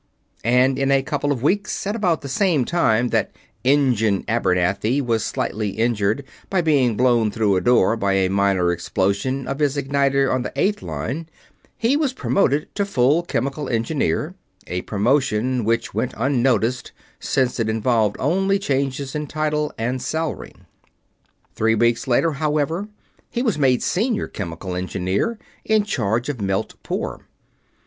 And in a couple of weeks at about the same time that "Injun" Abernathy was slightly injured by being blown through a door by a minor explosion of his igniter on the Eight line he was promoted to full Chemical Engineer; a promotion which went unnoticed, since it involved only changes in title and salary. Three weeks later, however, he was made Senior Chemical Engineer, in charge of Melt Pour.